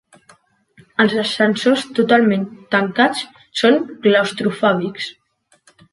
Els ascensors totalment tancats són claustrofòbics.